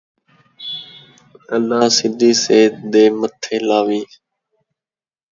اللہ سِدھی سیت دے متھّے لاوی